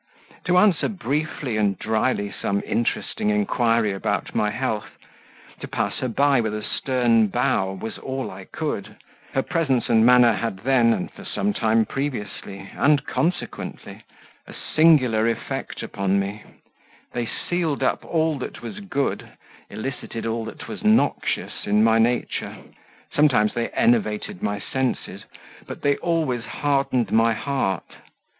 To answer briefly and dryly some interesting inquiry about my health to pass her by with a stern bow was all I could; her presence and manner had then, and for some time previously and consequently, a singular effect upon me: they sealed up all that was good, elicited all that was noxious in my nature; sometimes they enervated my senses, but they always hardened my heart.